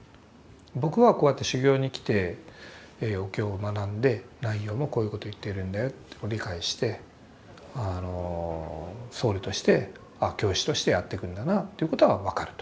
僕はこうやって修行に来てお経を学んで内容もこういうことを言っているんだよって理解して僧侶として教師としてやっていくんだなってことは分かると。